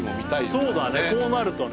そうだねこうなるとね。